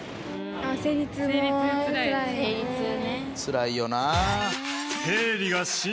つらいよな。